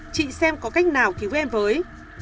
chị xem có cách nào cứu em với